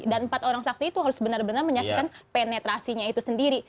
dan empat orang saksi itu harus benar benar menyaksikan penetrasinya itu sendiri